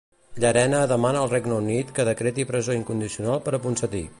Llarena demanar al regne Unit que decreti presó incondicional per a Ponsatí.